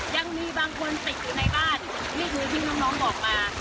ยังมีบางคนติดอยู่ในบ้านนี่คือที่น้องบอกมา